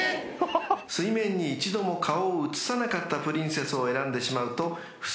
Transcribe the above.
［水面に一度も顔を映さなかったプリンセスを選んでしまうと不正解となります］